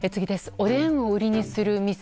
おでんを売りにするお店